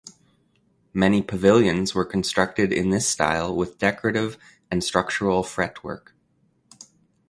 Many pavilions were constructed in this style with decorative and structural fretwork.